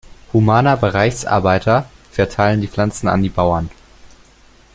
Humana Bereichs-Arbeiter verteilen die Pflanzen an die Bauern.